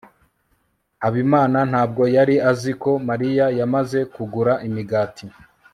habimana ntabwo yari azi ko mariya yamaze kugura imigati